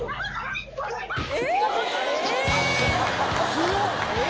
強っ！